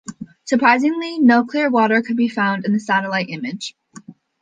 Surprisingly no clear water could be found in the satellite image.